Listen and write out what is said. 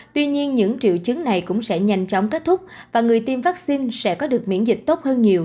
tuy nhiên những triệu chứng này cũng sẽ nhanh chóng kết thúc và người tiêm vaccine sẽ có được miễn dịch tốt hơn nhiều